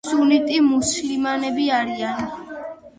სუნიტი მუსლიმანები არიან.